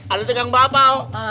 ada yang bapak